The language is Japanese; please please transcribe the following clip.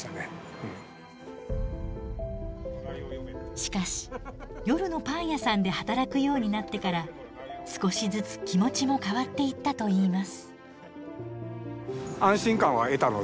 しかし夜のパン屋さんで働くようになってから少しずつ気持ちも変わっていったといいます。